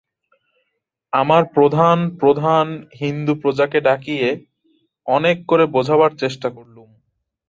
আমার প্রধান প্রধান হিন্দু প্রজাকে ডাকিয়ে অনেক করে বোঝাবার চেষ্টা করলুম।